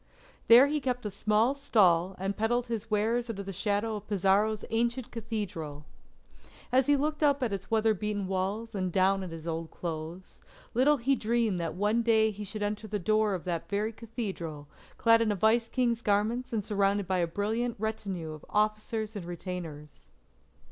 There he kept a small stall and peddled his wares under the shadow of Pizarro's ancient Cathedral. As he looked up at its weather beaten walls and down at his old clothes, little he dreamed that one day he should enter the door of that very Cathedral clad in a Vice King's garments and surrounded by a brilliant retinue of officers and retainers.